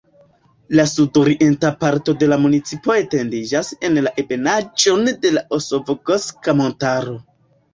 La sudorienta parto de la municipo etendiĝas en la ebenaĵon de la Osogovska Montaro.